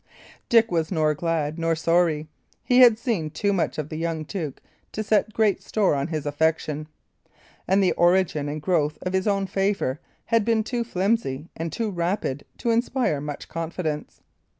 Dick was nor glad nor sorry. He had seen too much of the young duke to set great store on his affection; and the origin and growth of his own favour had been too flimsy and too rapid to inspire much confidence.